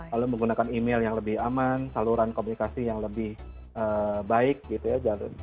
lalu menggunakan email yang lebih aman saluran komunikasi yang lebih baik gitu ya